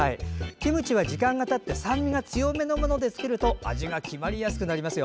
キムチは時間がたって酸味が強めのもので作ると味が決まりやすくなりますよ。